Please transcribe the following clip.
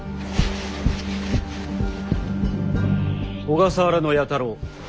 小笠原弥太郎